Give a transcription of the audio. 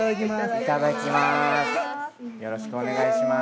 いただきます。